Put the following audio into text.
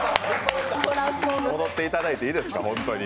戻っていただいていいですか本当に。